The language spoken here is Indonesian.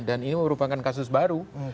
dan ini merupakan kasus baru